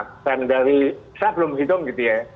dan dari saya belum hitung gitu ya